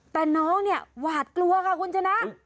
แต่น้องเนี่ยหวาดกลัวค่ะคุณชนะ